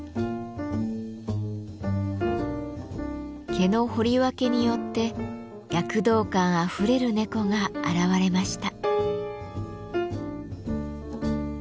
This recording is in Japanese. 毛の彫り分けによって躍動感あふれる猫が現れました。